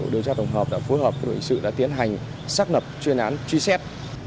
đối tra tổng hợp đã phối hợp với hội sự đã tiến hành xác lập chuyên án truy xét